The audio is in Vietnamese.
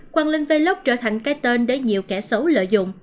quang linh velok trở thành cái tên để nhiều kẻ xấu lợi dụng